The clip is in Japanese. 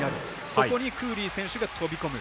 そこにクーリー選手が飛び込む。